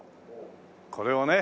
これをね